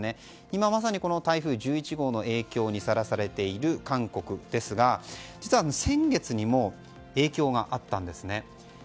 今まさに、台風１１号の影響にさらされている韓国ですが、実は先月にも影響があったんですね。